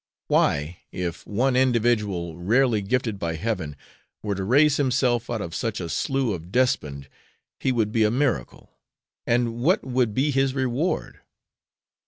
Why, if one individual rarely gifted by heaven were to raise himself out of such a slough of despond, he would be a miracle; and what would be his reward?